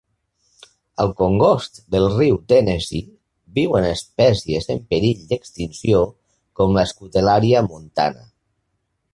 Al congost del riu Tennessee viuen espècies en perill d'extinció com la Scutellaria montana.